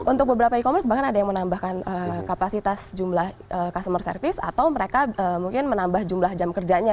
untuk beberapa e commerce bahkan ada yang menambahkan kapasitas jumlah customer service atau mereka mungkin menambah jumlah jam kerjanya